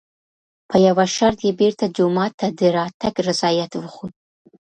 په یوه شرط یې بېرته جومات ته د راتګ رضایت وښود.